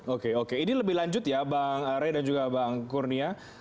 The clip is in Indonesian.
oke oke ini lebih lanjut ya bang rey dan juga bang kurnia